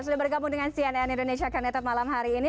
sudah bergabung dengan cnn indonesia connected malam hari ini